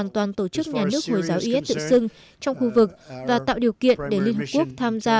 trước nhà nước hồi giáo is tự xưng trong khu vực và tạo điều kiện để liên hợp quốc tham gia